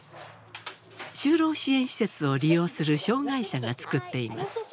就労支援施設を利用する障害者が作っています。